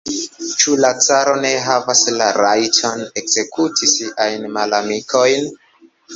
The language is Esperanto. Ĉu la caro ne havas la rajton ekzekuti siajn malamikojn?